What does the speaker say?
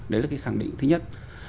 đấy là cái khẳng định thứ nhất